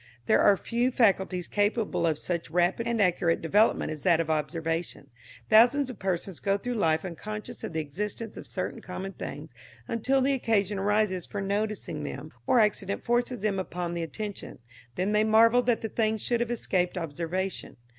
There are few faculties capable of such rapid and accurate development as that of observation. Thousands of persons go through life unconscious of the existence of certain common things until the occasion arises for noticing them, or accident forces them upon the attention; then they marvel that the thing should have escaped observation.